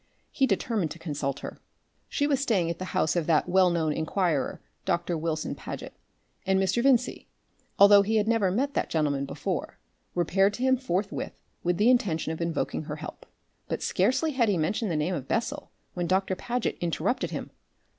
He determined to consult her. She was staying at the house of that well known inquirer, Dr. Wilson Paget, and Mr. Vincey, although he had never met that gentleman before, repaired to him forthwith with the intention of invoking her help. But scarcely had he mentioned the name of Bessel when Doctor Paget interrupted him.